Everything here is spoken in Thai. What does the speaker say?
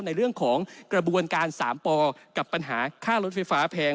ในเรื่องของกระบวนการ๓ปกับปัญหาค่ารถไฟฟ้าแพง